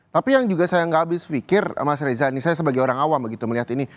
tapi yang juga saya nggak habis pikir mas reza ini saya sebagai orang awam begitu melihat ini